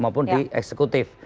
maupun di eksekutif